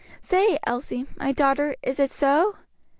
Say, Elsie, my daughter, is it so?"